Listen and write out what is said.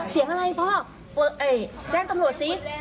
เสียงอะไรพ่อแจ้งตำรวจสิ